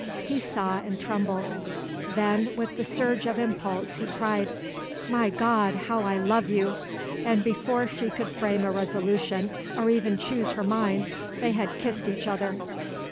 He saw and trembled. Then, with the surge of impulse, he cried, "My God, how I love you!" and before she could frame a resolution or even choose her mind, they had kissed each other.